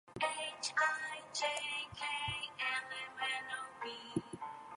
She has received death threats from people in her homeland.